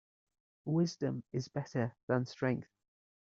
Wisdom is better than strength.